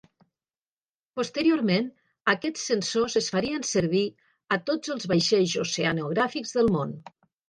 Posteriorment aquests sensors es farien servir a tots els vaixells oceanogràfics del món.